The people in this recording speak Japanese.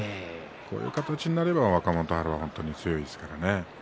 こういう形になれば若元春は強いですからね。